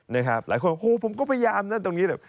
เหล่าคนว่าโหผมก็พยายามด้านตรงนี้